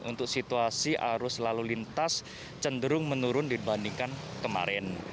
untuk situasi arus lalu lintas cenderung menurun dibandingkan kemarin